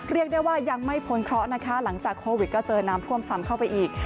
เรียกได้ว่ายังไม่พ้นเคราะห์นะคะหลังจากโควิดก็เจอน้ำท่วมซ้ำเข้าไปอีก